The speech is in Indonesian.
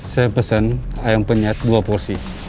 saya pesen ayam penyet dua porsi